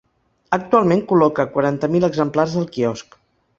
Actualment col·loca quaranta mil exemplars al quiosc.